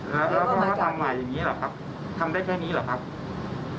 แล้วก็ท่าทางใหม่อย่างนี้หรอครับทำได้แค่นี้เหรอครับ